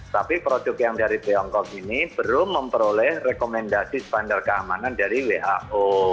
tapi produk yang dari tiongkok ini belum memperoleh rekomendasi standar keamanan dari who